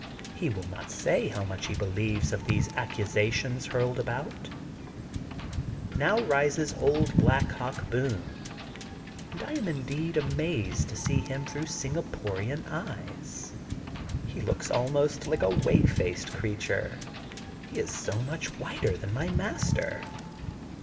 He will not say how much he believes of these accusations hurled about. 286 THE GOLDEN BOOK OF SPRINGFIELD Now rises old Black Hawk Boone and I am indeed amazed to see him throngh Singapo rian eyes. He looks almost like a whey faced creature, he is so much whiter than my master.